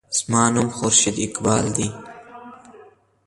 زما نوم خورشید اقبال دے.